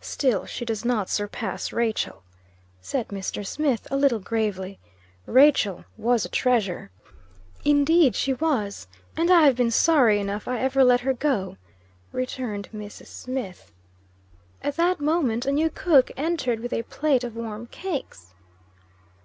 "Still she does not surpass Rachel," said Mr. Smith, a little gravely. "Rachel was a treasure." "Indeed she was. And I have been sorry enough I ever let her go," returned Mrs. Smith. At that moment a new cook entered with a plate of warm cakes.